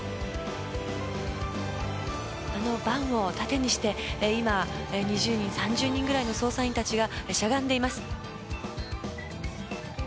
あのバンを盾にして今２０人３０人ぐらいの捜査員たちがしゃがんでいます。